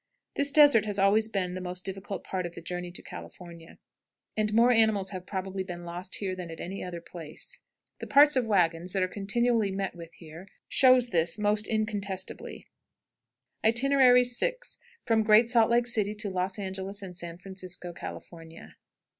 This desert has always been the most difficult part of the journey to California, and more animals have probably been lost here than at any other place. The parts of wagons that are continually met with here shows this most incontestably. VI. _From Great Salt Lake City to Los Angeles and San Francisco, California.